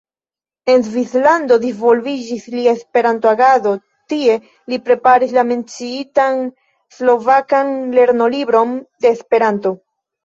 En Svislando disvolviĝis lia Esperanto-agado, tie li preparis la menciitan slovakan lernolibron de Esperanto.